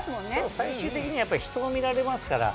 最終的には人を見られますから。